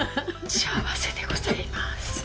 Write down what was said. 幸せでございます。